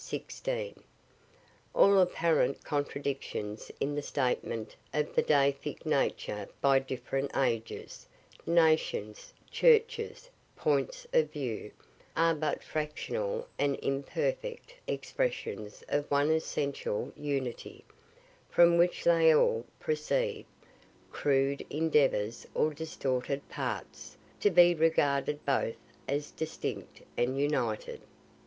All apparent contradictions in the statement of the Deific nature by different ages, nations, churches, points of view, are but fractional and imperfect expressions of one essential unity, from which they all proceed crude endeavors or distorted parts, to be regarded both as distinct and united.